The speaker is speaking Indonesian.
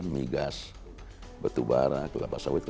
migas betubara kelapa sawit